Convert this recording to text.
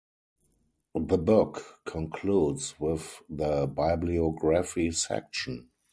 The book concludes with the bibliography section.